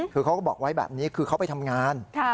คือเขาก็บอกไว้แบบนี้คือเขาไปทำงาน